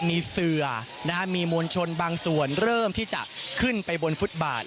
มีเสือมีมวลชนบางส่วนเริ่มที่จะขึ้นไปบนฟุตบาท